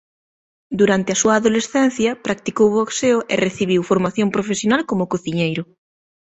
Durante a súa adolescencia practicou boxeo e recibiu formación profesional como cociñeiro.